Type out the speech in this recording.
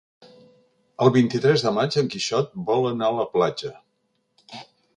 El vint-i-tres de maig en Quixot vol anar a la platja.